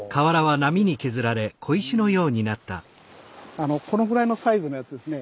あのこのぐらいのサイズのやつですね